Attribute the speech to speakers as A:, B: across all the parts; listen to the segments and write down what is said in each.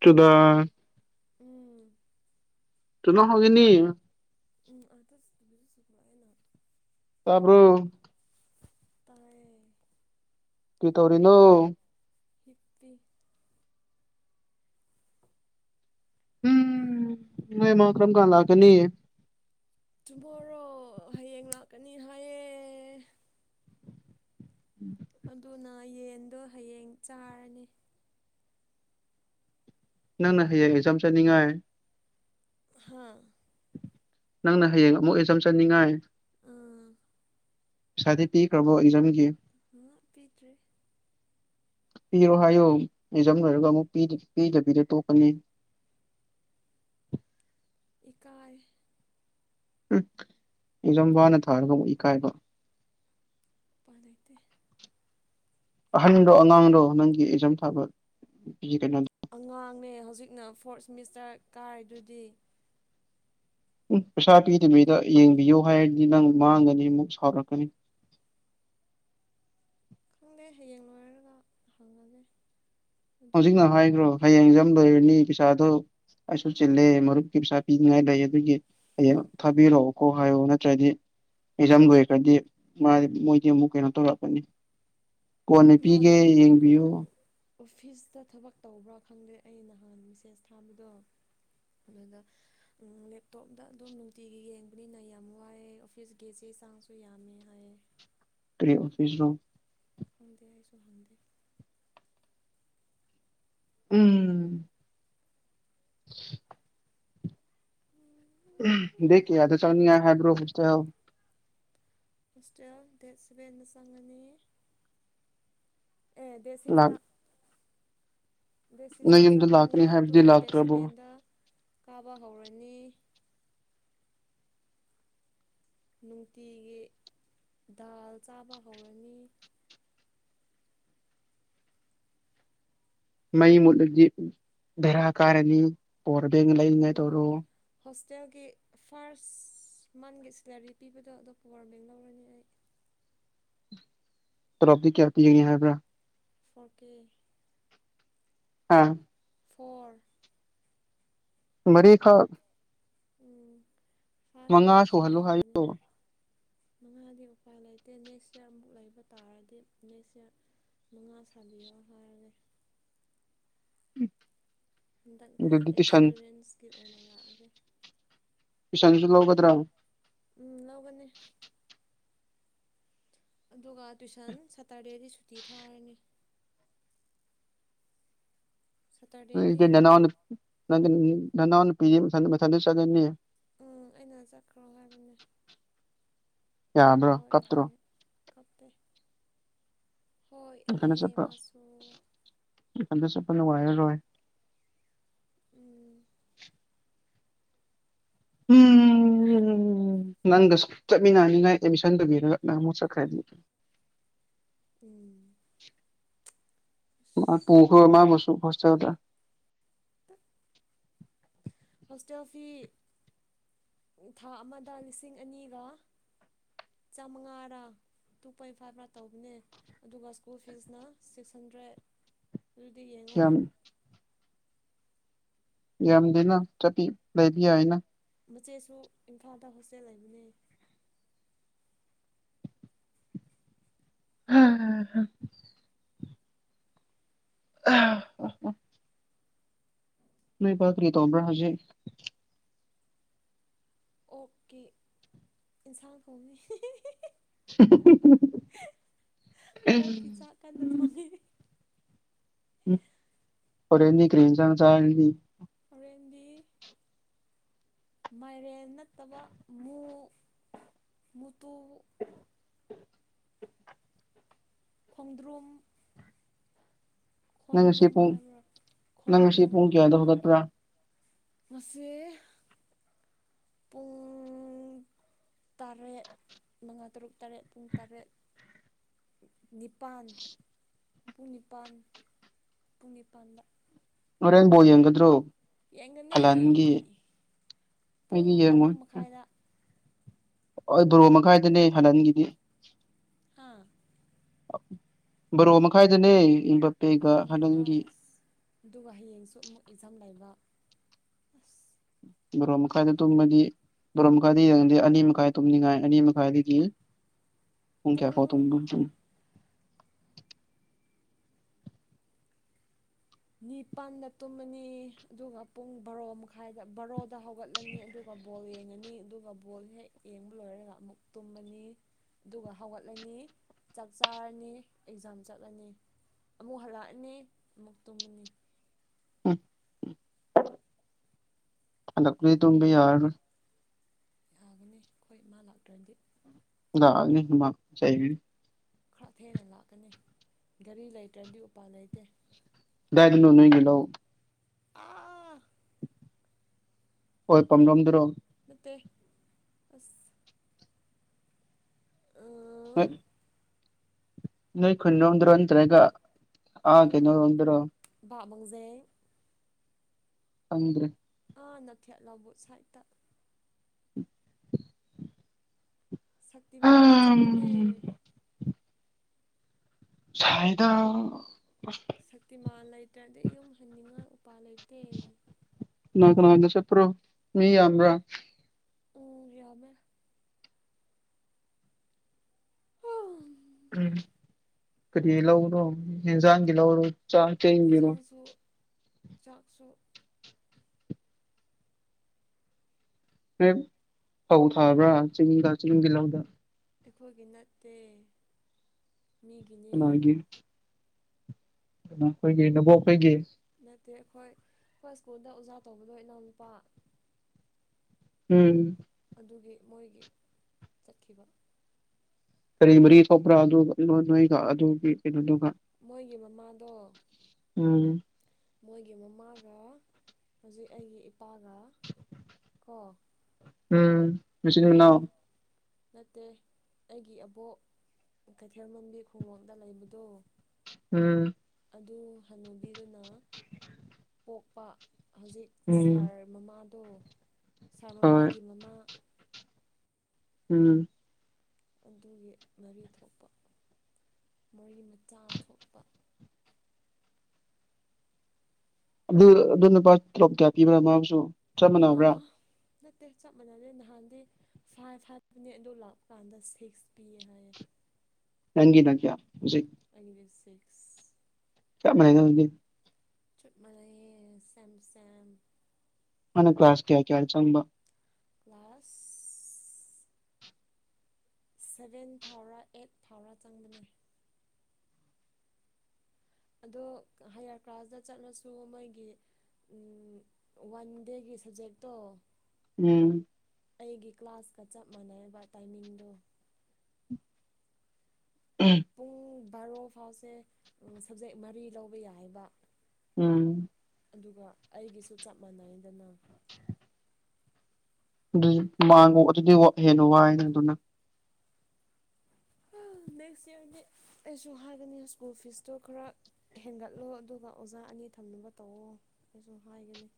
A: ꯆꯗꯥ [unintelligible]
B: ꯎꯝ
A: ꯇꯅꯣ ꯍꯒꯅꯤ [unintelligible]
B: ꯎ ꯑ ꯁꯨꯦ [inaudible]
A: ꯇꯥꯔꯕꯣ
B: ꯇꯔꯦ
A: ꯀꯩ ꯇꯧꯔꯤꯅꯣ
B: ꯍꯤꯞꯄꯤ
A: ꯎꯝ ꯅꯣꯏꯃꯥ ꯀꯔꯝ ꯀꯥꯟꯂꯥꯛꯒꯅꯤ
B: ꯑꯣ ꯍꯌꯦꯡ ꯉꯥꯛꯀꯅꯤ ꯍꯥꯏꯑ ꯑꯗꯨꯅ ꯌꯦꯟꯗꯣ ꯍꯌꯦꯡ ꯆꯥꯔꯅꯤ
A: ꯅꯪꯅ ꯍꯌꯦꯡ ꯑꯦꯛꯖꯥꯝ ꯆꯠꯅꯤꯡꯉꯥꯏ
B: ꯍꯥ
A: ꯅꯪꯅ ꯍꯌꯦꯡ ꯑꯃꯨꯛ ꯑꯦꯆꯝ ꯆꯅꯤꯡꯉꯥꯏ
B: ꯑ
A: ꯄꯩꯁꯥꯗꯤ ꯄꯤꯈꯔꯕꯣ ꯑꯦꯖꯝꯒꯤ
B: ꯑ ꯄꯤꯠ꯭ꯔ
A: ꯄꯤꯔꯣ ꯍꯥꯏꯌꯣ ꯑꯦꯖꯝ ꯂꯣꯏꯔꯒ ꯑꯃꯨꯛ ꯄꯤꯗꯕꯤꯗ ꯇꯣꯛꯀꯅꯤ
B: ꯏꯀꯥꯥꯏ
A: ꯎꯝ ꯌꯦꯖꯣꯝ ꯋꯥꯅ ꯊꯥꯔꯒ ꯑꯃꯨꯛ ꯏꯀꯥꯏꯕ
B: ꯄꯥꯅꯤꯡꯗꯦ
A: ꯑꯍꯟꯗꯣ ꯑꯉꯥꯡꯗꯣ ꯅꯪꯒꯤ ꯑꯦꯛꯖꯥꯝ ꯊꯥꯕ ꯀꯩꯅꯣ
B: ꯑꯉꯥꯡꯅꯦ ꯍꯧꯖꯤꯛꯅ ꯐꯣꯔꯠ ꯁꯦꯃꯤꯁꯇꯔ ꯀꯥꯏꯗꯨꯗꯤ
A: ꯎꯝ ꯄꯩꯁꯥ ꯄꯤꯗꯕꯤꯗ ꯌꯦꯡꯕꯤꯌꯨ ꯍꯥꯏꯔꯗꯤ ꯅꯪ ꯃꯥꯡꯒꯅꯤ ꯑꯃꯨꯛ ꯁꯥꯎꯔꯛꯀꯅꯤ
B: [inaudible] ꯈꯪꯗꯦ ꯍꯌꯦꯡ ꯂꯣꯏꯔꯒ ꯍꯪꯉꯒꯦ ꯑꯗꯨꯒ
A: ꯍꯧꯖꯤꯛꯅ ꯍꯥꯏꯈ꯭ꯔꯣ ꯍꯌꯦꯡ ꯖꯥꯝ ꯂꯣꯏꯔꯅꯤ ꯄꯩꯁꯥꯗꯣ ꯑꯩꯁꯨ ꯆꯤꯜꯂꯦ ꯃꯔꯨꯞꯀꯤ ꯄꯩꯁꯥ ꯄꯤꯅꯤꯡꯉꯥꯏ ꯂꯩ ꯑꯗꯨꯒꯤ ꯍꯌꯦꯡ ꯊꯥꯕꯤꯔꯛꯑꯣꯀꯣ ꯍꯥꯏꯌꯣ ꯅꯠꯇ꯭ꯔꯗꯤ ꯑꯦꯖꯥꯝ ꯂꯣꯏꯒꯕꯗꯤ ꯃꯥꯗꯤ ꯃꯣꯏꯗꯤ ꯑꯃꯨꯛ ꯀꯩꯅꯣ ꯇꯧꯔꯛꯀꯅꯤ ꯀꯣꯟꯅ ꯄꯤꯒꯦ
B: ꯃꯥꯗꯣ
A: ꯌꯦꯡꯕꯤꯌꯨ
B: ꯎꯝ ꯑꯣꯐꯤꯁꯇ ꯊꯕꯛ ꯇꯧꯕ꯭ꯔꯥ ꯈꯪꯗꯦ ꯑꯩ ꯅꯍꯥꯟ ꯃꯦꯁꯦꯖ ꯊꯥꯕꯗꯣ ꯑꯗꯨꯗ ꯂꯦꯞꯇꯣꯞꯇ ꯑꯗꯨꯝ ꯅꯨꯡꯇꯤꯒꯤ ꯌꯦꯡꯕꯅꯤꯅ ꯌꯥꯝ ꯋꯥꯏꯑꯦ ꯑꯣꯐꯤꯁ ꯀꯤꯁꯦ ꯍꯛꯆꯥꯡꯁꯨ ꯌꯥꯝꯃꯦ ꯍꯥꯏꯌꯦ
A: ꯀꯔꯤ ꯑꯣꯐꯤꯁ ꯔꯣ
B: ꯈꯪꯗꯦ ꯑꯩꯁꯨ ꯍꯪꯗꯦ
A: ꯎꯝ ꯗꯦ ꯀꯌꯥꯆꯡꯅꯤꯉꯥꯢ ꯍꯥꯏꯕ꯭ꯔꯣ ꯍꯣꯁꯇꯦꯜ
B: ꯍꯣꯁꯇꯦꯜ ꯗꯦꯠ ꯁꯚꯦꯟꯅ ꯆꯪꯒꯅꯤ ꯑꯦ ꯗꯦꯠ
A: ꯂꯥꯛ
B: ꯁꯤꯛꯁꯇ
A: ꯅꯣꯏ
B: ꯕꯦꯁꯤꯁꯇ
A: ꯌꯨꯝꯗ
B: ꯆꯪꯉꯅꯤ
A: ꯂꯥꯛꯀꯅꯤ ꯍꯥꯏꯕꯗꯤ
B: ꯑꯗꯨꯒ ꯗꯦꯠ
A: ꯂꯥꯛꯇ꯭ꯔꯕꯣ
B: ꯁꯕꯦꯟꯗ ꯀꯥꯕ ꯍꯧꯔꯅꯤ ꯅꯨꯡꯇꯤꯒꯤ ꯗꯥꯜ ꯆꯥꯕ ꯍꯧꯔꯅꯤ
A: ꯃꯩ ꯃꯨꯠꯂꯗꯤ ꯚꯦꯔꯥ ꯀꯥꯔꯅꯤ ꯄꯣꯋꯔ ꯕꯦꯡ ꯂꯩꯔꯤꯉꯥꯏ
B: ꯎꯝ
A: ꯇꯧꯔꯣ
B: ꯍꯣꯁꯇꯦꯜꯒꯤ ꯐꯥꯔꯁ ꯃꯟꯒꯤ ꯁꯦꯂꯔꯤ ꯄꯤꯕꯗꯣ ꯑꯇꯣꯞꯄ ꯋꯥꯔꯃꯦꯡ ꯂꯧꯔꯅꯤ ꯑꯩ [inaudible]
A: ꯇꯣꯂꯣꯞꯗꯤ ꯀꯌꯥ ꯄꯤ ꯍꯥꯏꯕ꯭ꯔꯥ
B: ꯐꯣꯔꯀꯦ
A: ꯑꯥ
B: ꯐꯣꯔ
A: ꯃꯔꯤꯈꯛ
B: ꯎꯝ ꯐꯥꯏꯚ
A: ꯃꯉꯥ
B: ꯌꯧꯔꯁꯨ
A: ꯁꯨꯍꯜꯂꯣ
B: ꯌꯥꯝꯃꯅꯤ
A: ꯍꯥꯏꯌꯣ
B: ꯃꯉꯥꯗꯤ ꯎꯄꯥꯏ ꯂꯩꯇꯦ ꯅꯦꯛꯁ ꯏꯌꯥꯔꯃꯨꯛ ꯂꯩꯕ ꯇꯥꯔꯗꯤ ꯅꯦꯛꯁ ꯏꯌꯥꯔ ꯃꯉꯥ ꯁꯥꯕꯤꯔꯣ ꯍꯥꯏꯔꯒꯦ ꯍꯟꯗꯛꯇꯤ
A: ꯑꯗꯨꯗꯤ ꯇꯨꯏꯁꯟ
B: ꯑꯦꯛꯁꯄꯤꯔꯤꯌꯦꯟꯁꯀꯤ ꯑꯣꯏꯅ ꯂꯥꯛꯑꯒꯦ
A: ꯄꯁꯤꯟꯁꯨ ꯂꯧꯒꯗꯔ
B: ꯎꯝ ꯂꯧꯒꯅꯤ ꯑꯗꯨꯒ ꯇꯨꯏꯁꯟ ꯁꯥꯇꯔꯗꯦꯗꯤ ꯁꯨꯇꯤ ꯊꯥꯔꯅꯤ ꯁꯇꯔꯗꯦꯗꯤ
A: ꯅꯪꯒꯤ ꯅꯅꯥꯎ ꯅꯪꯒꯝ ꯅꯅꯥꯎꯄꯤꯗꯤ ꯃꯊꯟꯗ ꯃꯊꯟꯗ ꯆꯠꯂꯤꯅꯦ
B: ꯎꯝ ꯑꯩꯅ ꯆꯠꯈ꯭ꯔꯣ ꯍꯥꯏꯕꯅꯦ
A: ꯌꯥꯗ꯭ꯔꯣ ꯀꯞꯇ꯭ꯔꯣ
B: ꯀꯞ ꯍꯣꯏ
A: ꯃꯊꯟꯇ
B: ꯍꯌꯦ
A: ꯆꯠꯄ
B: ꯃꯁꯨꯨ
A: ꯅꯨꯡꯉꯥꯢꯔꯔꯣꯢ
B: ꯎꯝ
A: ꯎꯝ ꯎꯝ ꯅꯪꯗꯁꯨ ꯆꯠꯃꯤꯟꯅꯅꯤꯅ ꯑꯦꯗꯃꯤꯁꯟ ꯇꯕꯤꯔꯒ ꯅꯪ ꯑꯃꯨꯛ ꯆꯠꯈ꯭ꯔꯅꯤ
B: ꯎꯝ
A: ꯃꯥ ꯄꯨꯀꯣ ꯃꯕꯨꯁꯨꯨ ꯐꯣꯁꯇꯦꯜꯗ
B: ꯍꯣꯁꯇꯦꯜ ꯐꯤ ꯊꯥ ꯑꯃꯗ ꯂꯤꯁꯤꯡ ꯑꯅꯤꯒ ꯆꯃꯉꯔꯥ ꯇꯨ ꯄꯣꯏꯟ ꯐꯥꯏꯚ ꯇꯧꯕꯅꯦ ꯑꯗꯨꯒ ꯁ꯭ꯀꯨꯜ ꯐꯤꯁꯅ ꯁꯤꯛꯁ ꯍꯟꯗ꯭ꯔꯦꯠ ꯑꯗꯨꯗꯤ ꯌꯦꯡꯉꯣ
A: ꯌꯥꯝ ꯌꯥꯝꯗꯦꯅ ꯆꯄꯤ ꯂꯩꯗꯤ ꯌꯥꯢꯅ
B: ꯃꯆꯦꯁꯨ ꯏꯝꯐꯥꯜꯗ ꯍꯣꯁꯇꯦꯜ ꯂꯩꯕꯅꯦ
A: ꯑ ꯑ ꯑ [unintelligible] ꯅꯣꯢ ꯄꯥ ꯀꯔꯤ ꯇꯣꯕ꯭ꯔꯥ ꯍꯧꯖꯤ
B: ꯑꯣꯀꯤ ꯏꯟꯁꯥꯡ ꯊꯣꯡꯉꯤ ꯑꯣꯛꯀꯤ ꯆꯥꯛ ꯀꯟꯅ
A: ꯎꯝ
B: ꯊꯣꯡꯉꯤ
A: ꯎ ꯑꯣꯔ ꯏꯅꯤ ꯀ꯭ꯔꯤꯝꯁꯅ ꯆꯗꯤ
B: ꯍꯦꯟꯗꯤ ꯃꯥꯏꯔꯦꯟ ꯅꯠꯇꯕ ꯃꯨ ꯃꯨꯇꯨ ꯈꯣꯡꯗ꯭ꯔꯨꯝ
A: ꯅꯪ ꯁꯤ
B: ꯈꯣꯟꯗ꯭ꯔꯨꯝ
A: ꯄꯣꯡ
B: ꯍꯥꯏꯕ꯭ꯔꯥ
A: ꯅꯪ ꯉꯁꯤ ꯄꯣꯡ ꯀꯗ ꯍꯧꯗꯠꯇ꯭ꯔꯥ
B: ꯃꯁ ꯄꯨꯡꯟ ꯇꯔꯦꯠ ꯉꯥ ꯇꯔꯨꯛ ꯇꯔꯦꯠ ꯄꯨꯡ ꯇꯔꯦꯠ ꯅꯤꯄꯥꯜ ꯄꯨꯡ ꯅꯤꯄꯥꯟ ꯄꯨꯡ ꯅꯤꯄꯥꯟꯗ
A: ꯃꯔꯔꯦꯟꯕꯣꯗꯤ ꯌꯦꯗ꯭ꯔꯣ
B: ꯌꯦꯡꯒꯅꯤ ꯄꯨꯡ
A: ꯑꯩꯗꯤ
B: ꯑꯍꯨꯝ ꯃꯈꯥꯏꯗ
A: ꯍ ꯕꯣꯔꯣ ꯃꯈꯥꯏꯗꯅꯦ ꯍꯟꯅꯟꯒꯤꯗꯤ
B: ꯍꯥꯥ
A: ꯕꯔꯣ ꯃꯈꯥꯏꯗꯅꯦ ꯏꯝꯕꯥꯄꯦꯒ
B: ꯄꯣꯔꯣꯛ ꯃꯈꯥ
A: ꯍꯥꯂꯟꯒꯤ
B: ꯑꯗꯨꯒ ꯍꯌꯦꯡꯁꯨ ꯑꯃꯨꯛ ꯑꯦꯛꯖꯝ ꯂꯩꯕ ꯑ
A: ꯕꯣ ꯃꯈ ꯀꯥꯏꯗ ꯇ ꯃꯗꯤ ꯣꯔ ꯃꯈꯥꯏꯗꯤ ꯌꯦꯡꯗꯤ ꯑꯅꯤ ꯃꯈꯥꯏ ꯇꯨꯝꯅꯤꯡꯉꯥꯏ ꯑꯅꯤ ꯃꯈꯥꯏꯗꯤ ꯀꯤ ꯎꯨꯡ ꯀꯌꯥ ꯀꯣ ꯇꯝ
B: ꯄꯨꯡ
A: ꯂꯖꯨꯡ
B: ꯅꯤꯄꯥꯟꯗ ꯇꯨꯝꯃꯅꯤ ꯑꯗꯨꯒ ꯄꯨꯡ ꯕꯥꯔꯣ ꯃꯈꯥꯏꯗ ꯕꯥꯔꯣ ꯗ ꯍꯧꯒꯠꯂꯅꯤ ꯑꯗꯨꯒ ꯕꯣꯜ ꯌꯦꯡꯉꯅꯤ ꯑꯗꯨꯒ ꯕꯣꯜ ꯍꯦꯛ ꯌꯦꯡꯕ ꯂꯣꯏꯔꯒ ꯑꯃꯨꯛ ꯇꯨꯝꯃꯅꯤ ꯑꯗꯨꯒ ꯍꯧꯒꯠꯂꯅꯤ ꯆꯥꯛ ꯆꯥꯔꯅꯤ ꯑꯦꯛꯖꯥꯝ ꯆꯠꯂꯅꯤ ꯑꯃꯨꯛ ꯍꯜꯂꯛꯑꯅꯤ ꯑꯃꯨꯛ ꯇꯨꯝꯃꯅꯤ
A: ꯔꯤ ꯇꯕꯤ ꯌꯥꯔ
B: ꯌꯥꯒꯅꯤ ꯑꯩꯈꯣꯏ ꯃꯥ ꯂꯥꯛꯇ꯭ꯔꯗꯤ
A: ꯂꯅꯤꯃ ꯆ
B: ꯈꯔ ꯊꯦꯡꯅ ꯂꯥꯛꯀꯅꯤ ꯒꯥꯔꯤ ꯂꯩꯇ꯭ꯔꯗꯤ ꯎꯄꯥꯏ ꯂꯩꯇꯦ
A: ꯗꯗꯤꯅꯣꯅꯣꯏꯒꯂ
B: ꯑꯥ
A: ꯍꯣꯏ ꯄꯝ ꯔꯣꯝꯗꯨꯔꯣ
B: ꯅꯠꯇꯦꯛ ꯑꯁ ꯎ
A: ꯍꯣꯏ ꯅꯣꯏ ꯈꯨ ꯅꯣꯗ꯭ꯔꯣ ꯑꯣꯇ꯭ꯔꯦꯒꯒꯦ ꯅꯣꯟ꯭ꯔꯣ
B: ꯀꯥꯃꯨꯡꯖꯩ
A: ꯐꯗꯔꯤ
B: ꯀꯥꯟꯅ ꯐꯦꯠꯂꯕꯨ ꯁꯥꯏꯠꯇ ꯁꯛꯇꯤꯃꯥꯟꯗ ꯆꯠꯄꯅꯦ
A: ꯆꯗ
B: ꯁꯛꯇꯤꯃꯥꯟ ꯂꯩꯇ꯭ꯔꯗꯤꯩ ꯌꯨꯝ ꯍꯟꯅꯤꯡꯉꯥꯏ ꯎꯄꯄꯥ ꯂꯩꯇ
A: ꯅ ꯀꯁꯦ ꯄ꯭ꯔꯣ ꯃꯤ ꯑꯃ
B: ꯑꯣ ꯌꯥꯕ
A: ꯎꯝ ꯀꯔꯤ ꯂꯧꯔꯣꯖꯥꯡꯒꯤ ꯂꯧꯔꯣ ꯆꯥꯡ ꯀꯔꯣ
B: ꯆꯥꯛꯁꯨꯣꯛ
A: ꯍꯣꯏ ꯐꯧ ꯊꯥꯕ꯭ꯔꯥ ꯆꯤꯡꯗ ꯆꯤꯡ ꯇꯤꯜꯍꯧꯗ
B: ꯑꯩꯈꯣꯏꯒꯤ ꯅꯠꯇꯦ ꯃꯤꯒꯤꯅꯦ
A: ꯑꯗꯨ ꯑꯩꯈꯣꯏꯒꯤ ꯅꯕꯣꯛ ꯑꯩꯈꯣꯏꯒꯤ
B: ꯅꯠꯇꯦ ꯑꯩꯈꯣꯏ ꯑꯩꯈꯣꯏ ꯁ꯭ꯀꯨꯜꯗ ꯑꯣꯖꯥ ꯇꯧꯕꯗꯣ ꯏꯅꯥꯎꯅꯨꯄꯥ
A: ꯎꯝ
B: ꯑꯗꯨꯒꯤ ꯃꯣꯏꯒꯤ ꯆꯠꯈꯤꯕ
A: ꯀꯔꯤ ꯃꯔꯤ ꯊꯣꯛꯄ꯭ꯔꯥ ꯑꯗꯨ ꯅꯣꯏꯒ ꯑꯗꯨꯒꯤ ꯀꯩꯅꯣꯗꯨꯒ
B: ꯃꯣꯏꯒꯤ ꯃꯃꯥꯗꯣ
A: ꯎꯝ
B: ꯃꯣꯏꯒꯤ ꯃꯃꯥꯒ ꯍꯧꯖꯤꯛ ꯑꯩꯒꯤ ꯏꯄꯥꯒ
A: [inaudible]
B: ꯀꯣ
A: ꯎꯝ
B: ꯎꯝ
A: ꯃꯆꯑꯣ
B: ꯅꯠꯇꯦ ꯑꯩꯒꯤ ꯑꯕꯣꯛ ꯀꯩꯊꯦꯜ ꯃꯕꯤ ꯈꯨꯡꯎꯞꯗ ꯂꯩꯕꯗꯣ
A: ꯎꯝ
B: ꯑꯗꯨ ꯍꯅꯨꯕꯤꯗꯨꯅ ꯄꯣꯛꯄ ꯍꯧꯖꯤꯛ
A: ꯎꯝ
B: ꯁꯥꯔ ꯃꯃꯥꯗꯣ ꯁꯥꯔ
A: ꯍꯣꯏ
B: ꯃꯃꯥꯒꯤ ꯃꯃꯥ
A: ꯎꯝ
B: ꯑꯗꯨꯒꯤ ꯃꯔꯤ ꯊꯣꯛꯄ ꯃꯔꯤ ꯃꯆꯥ ꯊꯣꯛꯄ
A: ꯑꯗꯨ ꯑꯗꯨ ꯅꯨꯄꯥ ꯇꯂꯣꯞ ꯀꯌꯥ ꯄꯤꯕ꯭ꯔꯥ ꯃꯥꯕꯨꯁꯨ ꯆꯞ
B: ꯃꯥ
A: ꯃꯥꯟꯅꯕ꯭ꯔꯥ
B: ꯅꯠꯇꯦ ꯆꯞ ꯃꯥꯟꯅꯗꯦ ꯅꯍꯥꯟꯗꯤ ꯐꯥꯏꯚ ꯍꯥꯏꯕꯅꯦ ꯑꯗꯨ ꯂꯥꯛꯄ ꯀꯥꯟꯗ ꯁꯤꯛꯁ ꯄꯤꯌꯦ ꯍꯥꯏꯌꯦ
A: ꯇꯪꯒꯤꯤꯟ ꯀꯌꯥ ꯍꯧꯖꯤꯛ
B: ꯑꯩꯗꯤ ꯁꯤꯛꯁ
A: ꯆ ꯃꯅꯅꯗꯤ
B: ꯆ ꯃꯅ ꯁꯝꯁꯝ
A: ꯃꯅ ꯀ꯭ꯂꯥꯁ ꯀꯌꯥ ꯀ ꯆꯪꯝꯕ
B: class seven four eight four ꯆꯪꯕꯅꯤ ꯑꯗꯣ ꯍꯥꯏꯌꯥꯔ ꯀ꯭ꯂꯥꯁꯇ ꯆꯠꯂꯁꯨ ꯃꯣꯏꯒꯤ ꯋꯥꯟ ꯗꯦꯒꯤ ꯁꯕꯖꯦꯛꯇꯣ
A: ꯎꯝ
B: ꯑꯩꯒꯤ ꯀ꯭ꯂꯥꯁꯀ ꯆꯞ ꯃꯥꯟꯅꯕ ꯇꯥꯏꯃꯤꯡꯗꯨꯣ
A: ꯎꯝ
B: ꯄꯨꯡ ꯕꯥꯔꯣ ꯐꯥꯎꯁꯦ ꯁꯕꯖꯦꯛ ꯃꯔꯤ ꯂꯧꯕ ꯌꯥꯏꯕ
A: ꯎꯝ
B: ꯑꯗꯨꯒ ꯑꯩꯒꯤꯁꯨ ꯆꯞ ꯃꯥꯟꯅꯩꯗꯅ
A: ꯑꯗꯨꯗꯤ ꯃꯥꯡꯉ ꯑꯗꯨꯗꯤ ꯍꯦꯟꯅ ꯋꯥ ꯍꯥꯏꯅ ꯑꯗꯨꯅ
B: ꯅꯦꯛꯁꯔꯗꯤ ꯑꯩꯁꯨ ꯍꯥꯏꯒꯅꯤ ꯁ꯭ꯀꯨꯜ ꯐꯤꯁꯇꯣ ꯈꯔ ꯍꯦꯟꯒꯠꯂꯣ ꯑꯗꯨꯒ ꯑꯣꯖꯥ ꯑꯅꯤ ꯊꯝꯅꯕ ꯇꯧꯋꯣ ꯑꯩꯁꯨ ꯍꯥꯏꯒꯅꯤ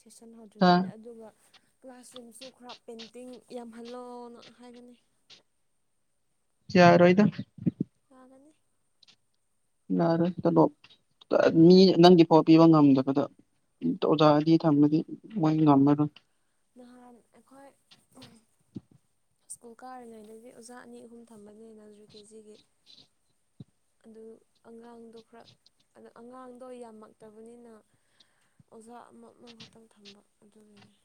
B: ꯁꯦꯁꯟ ꯍꯧꯗ꯭ꯔꯤꯉꯩꯗ ꯑꯗꯨꯒ ꯀ꯭ꯂꯥꯁꯔꯨꯝꯁꯨ ꯈꯔ ꯄꯦꯟꯇꯤꯡ ꯌꯥꯝꯍꯜꯂꯣꯅ ꯍꯥꯏꯒꯅꯤ
A: ꯌꯥꯔꯣꯍꯤꯗ
B: ꯃꯥꯅꯤ
A: ꯌꯥꯔꯦ ꯆꯂꯣ ꯃꯤ ꯅꯪꯒꯤ ꯄꯣꯠ ꯄꯤꯕ ꯉꯝꯗꯕꯗ ꯑꯣꯖꯥꯗꯤ ꯊꯝꯃꯗꯤ ꯃꯣꯏ ꯉꯝꯃꯔꯣꯏ
B: ꯅꯍꯥꯟ ꯑꯩꯈꯣꯏ ꯁ꯭ꯀꯨꯜ ꯀꯥꯔꯤꯉꯩꯗꯗꯤ ꯑꯣꯖꯥ ꯑꯅꯤ ꯑꯍꯨꯝ ꯊꯝꯕꯅꯤꯅꯦꯅ ꯍꯧꯗ꯭ꯔꯤ ꯀꯦꯖꯤꯒꯤ ꯑꯗꯨ ꯑꯉꯥꯡꯗꯣ ꯈꯔ ꯑꯉꯥꯡꯗꯣ ꯌꯥꯝꯃꯛꯇꯕꯅꯤꯅ ꯑꯣꯖꯥ ꯑꯃ ꯉꯍꯥꯛꯇꯪ ꯊꯝꯕ ꯑꯗꯨꯗꯨꯅꯤ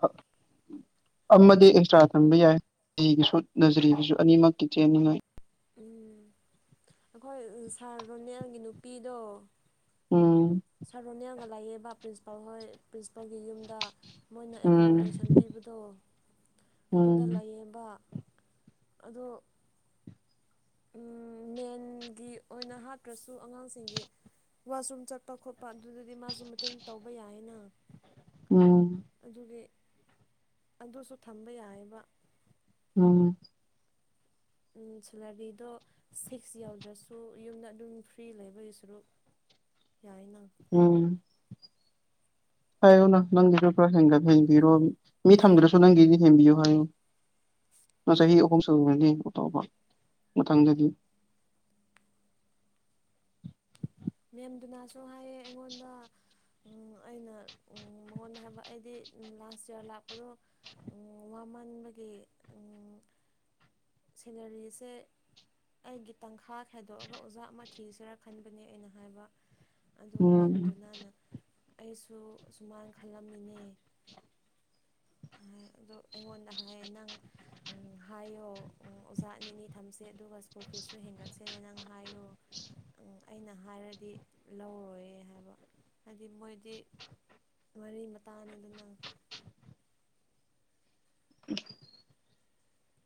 A: ꯍ ꯑꯃꯗꯤ ꯑꯦꯛꯁꯇ꯭ꯔꯥ ꯊꯝꯕ ꯌꯥꯏ ꯖꯤꯒꯤꯁꯨ ꯅꯖꯔꯤꯒꯤꯁꯨ ꯑꯅꯤꯃꯛꯀꯤ ꯆꯦꯟꯅꯤꯡꯉꯩ
B: ꯎꯝ ꯑꯩꯈꯣꯏ ꯁꯥꯔ ꯔꯣꯅꯦꯜꯒꯤ ꯅꯨꯄꯤꯗꯣ
A: ꯑꯣ
B: ꯁꯥꯔ ꯔꯣꯅꯦꯜꯒ ꯂꯩꯌꯦꯕꯥ ꯄ꯭ꯔꯤꯟꯁꯤꯄꯥꯜ ꯍꯣꯏ ꯄ꯭ꯔꯤꯟꯁꯤꯄꯥꯜꯒꯤ ꯌꯨꯝꯗ ꯃꯣꯏꯅ
A: ꯎꯝ
B: ꯑꯦꯀꯣꯃꯣꯗꯦꯁꯟ ꯄꯤꯕꯗꯣ ꯑꯗꯨꯗ
A: ꯎꯝ
B: ꯂꯩꯌꯦꯕ ꯑꯗꯣ ꯎꯝ ꯃꯦꯟꯒꯤ ꯑꯣꯏꯅ ꯍꯥꯠꯇ꯭ꯔꯁꯨ ꯑꯉꯥꯡꯁꯤꯡꯒꯤ ꯋꯥꯁꯔꯨꯝ ꯆꯠꯄ ꯈꯣꯠꯄ ꯑꯗꯨꯗꯗꯤ ꯃꯥꯁꯨ ꯃꯇꯦꯡ ꯇꯧꯕ ꯌꯥꯏꯌꯦꯅ
A: ꯎꯝ
B: ꯑꯗꯨꯒꯤ ꯑꯗꯨꯁꯨ ꯊꯝꯕ ꯌꯥꯏꯌꯦꯕ
A: ꯎꯝ
B: ꯁꯦꯂꯔꯤꯗꯣ ꯁꯤꯛꯁ ꯌꯥꯎꯗ꯭ꯔꯁꯨ ꯌꯨꯝꯗ ꯑꯗꯨꯝ ꯐ꯭ꯔꯤ ꯂꯩꯕꯒꯤ ꯁꯔꯨꯛ [inaudible]
A: ꯎꯝ ꯍꯥꯏꯌꯨ ꯅ ꯅꯪꯒꯤꯁꯨ ꯈꯔ ꯍꯦꯟꯒꯠ ꯍꯦꯟꯕꯤꯔꯣ ꯃꯤ ꯊꯝꯗ꯭ꯔꯁꯨ ꯅꯪꯒꯤꯗꯤ ꯍꯦꯟꯕꯤꯌꯨ ꯍꯥꯏꯌꯣ ꯃꯥ ꯆꯍꯤ ꯑꯍꯨꯝ ꯁꯨꯨꯔꯒꯔꯗꯤ ꯑꯇꯣꯞꯄ ꯃꯊꯪꯗꯗꯤ
B: ꯃꯦꯝꯗꯨꯅꯁꯨ ꯍꯥꯏꯌꯦ ꯑꯩꯉꯣꯟꯗ ꯑꯩꯅ ꯃꯉꯣꯟꯗ ꯍꯥꯏꯕ ꯑꯩꯗꯤ ꯂꯥꯁ ꯌꯥꯔ ꯂꯥꯛꯄꯗꯣ ꯋꯥꯃꯟꯕꯒꯤ ꯁꯦꯂꯥꯔꯤꯁꯦ ꯑꯩꯒꯤ ꯇꯪꯈꯥ ꯈꯥꯏꯗꯣꯛꯑꯒ ꯑꯣꯖꯥ ꯑꯃ ꯊꯤꯁꯤꯔꯥ ꯈꯟꯕꯅꯦ ꯑꯩꯅ ꯍꯥꯏꯕ ꯑꯗꯨꯒ
A: ꯎꯝ
B: ꯃꯦꯝꯗꯨꯅꯅ ꯑꯩꯁꯨ ꯁꯨꯃꯥꯏ ꯈꯜꯂꯝꯃꯦ ꯍꯥꯏ ꯑꯗꯣ ꯑꯩꯉꯣꯟꯗ ꯍꯥꯏꯌꯦ ꯅꯪ ꯎꯪ ꯍꯥꯏꯌꯣ ꯑꯣꯖꯥ ꯑꯅꯤꯅꯤ ꯊꯝꯁꯦ ꯑꯗꯨꯒ ꯁ꯭ꯀꯨꯜ ꯐꯤꯁꯨ ꯍꯦꯟꯒꯠꯁꯦꯅ ꯅꯪ ꯍꯥꯏꯌꯣ ꯑꯩꯅ ꯍꯥꯏꯔꯗꯤ ꯂꯧꯔꯣꯏ ꯍꯥꯏꯕ ꯍꯥꯏꯗꯤ ꯃꯣꯏꯗꯤ ꯃꯔꯤ ꯃꯇꯥꯅꯤꯗꯅ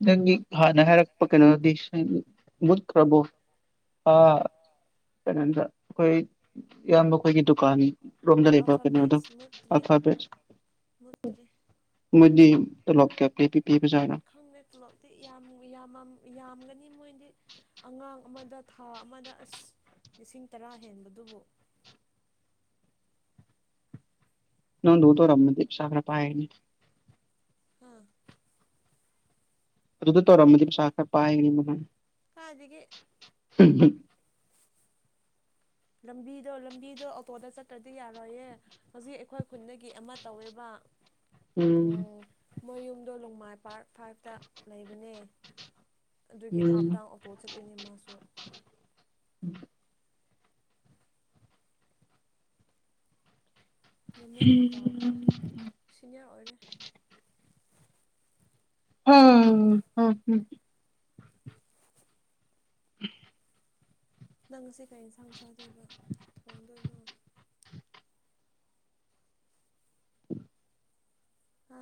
A: ꯅꯪꯒꯤ ꯍꯥꯟꯅ ꯍꯥꯏꯔꯛꯄ ꯀꯩꯅꯣꯗꯤ ꯁꯀ꯭ꯨꯟ ꯃꯨꯠꯈ꯭ꯔꯕꯣ ꯑꯥ ꯀꯩꯅꯣꯗ ꯑꯩꯈꯣꯏ ꯏꯌꯥꯝꯕ ꯑꯩꯈꯣꯏꯒꯤ ꯗꯨꯀꯥꯟ ꯔꯣꯝꯗ ꯂꯩꯕ ꯀꯩꯅꯣꯗꯣ
B: ꯑꯜꯐꯥꯕꯦꯠꯁ ꯃꯨꯠꯇ꯭ꯔꯤ
A: ꯑꯜꯐꯥꯕꯦꯠ ꯁꯀ꯭ꯨꯜ
B: ꯃꯨꯠꯇ꯭ꯔꯤ
A: ꯃꯣꯏꯗꯤ ꯇꯣꯂꯣꯞ ꯀꯌꯥ ꯄꯤꯕꯤ
B: ꯈꯪꯗꯦ ꯇꯂꯣꯞꯗꯤ ꯌꯥꯝ ꯌꯥꯝꯃꯝ ꯌꯥꯝꯒꯅꯤ ꯃꯣꯏꯗꯤ ꯑꯉꯥꯡ ꯑꯃꯗ ꯊꯥ ꯑꯃꯗ ꯑꯁ ꯂꯤꯁꯤꯡ ꯇꯔꯥ ꯍꯦꯟꯕꯗꯨꯕꯨ
A: ꯅꯪꯗꯧ ꯇꯧꯔꯝꯃꯗꯤ ꯄꯩꯁꯥ ꯈꯔ ꯄꯥꯏꯔꯅꯤ
B: ꯑꯥ
A: ꯑꯗꯨꯗ ꯇꯧꯔꯝꯃꯗꯤ ꯄꯩꯁꯥ ꯈꯔ ꯄꯥꯏꯅꯤ ꯃꯥ
B: ꯀꯥꯏꯗꯒꯤ
A: [unintelligible]
B: ꯂꯝꯕꯤꯗꯣ ꯂꯝꯕꯤꯗꯣ ꯑꯣꯇꯣꯗ ꯆꯠꯇ꯭ꯔꯗꯤ ꯌꯥꯔꯣꯏꯌꯦ ꯍꯧꯖꯤꯛ ꯑꯩꯈꯣꯏ ꯈꯨꯟꯗꯒꯤ ꯑꯃ ꯇꯧꯋꯦꯕ ꯎꯝ ꯃꯣꯏ ꯌꯨꯝꯗꯣ ꯂꯣꯡꯃꯥꯏ ꯄꯥꯔꯠ ꯐꯥꯏꯐꯇ ꯂꯩꯕꯅꯦ ꯑꯗꯨꯒꯤ ꯑꯞ
A: ꯎꯝ
B: ꯗꯥꯎꯟ ꯑꯣꯇꯣ ꯆꯠꯂꯤꯅꯦ ꯃꯥꯁꯨ
A: [unintelligible]
B: ꯃꯃꯤꯡꯗꯣ ꯀꯥꯎꯈꯔꯦ ꯁꯤꯅꯤꯌꯥꯔ ꯑꯣꯏꯔꯦ
A: ꯎꯝ ꯎꯝ ꯍꯨꯝ [inaudible]
B: ꯅꯪꯁꯦ ꯀꯩ ꯌꯦꯟꯁꯥꯡ ꯆꯥꯗꯣꯏꯕ ꯊꯣꯡꯗꯣꯏꯅꯣ ꯍꯥ